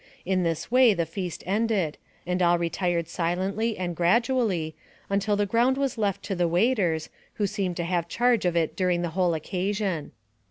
In this way the feast ended, and all retired silently and gradually, until the ground was left to the waiters, who seemed to have charge of it during the whole occasion.